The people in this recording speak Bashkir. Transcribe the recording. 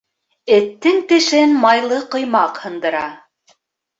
Эттең тешен майлы ҡоймаҡ һындыра.